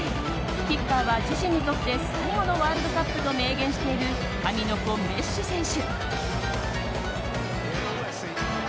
キッカーは自身にとって最後のワールドカップと明言している神の子、メッシ選手。